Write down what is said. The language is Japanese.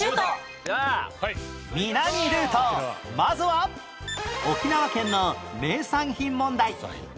まずは沖縄県の名産品問題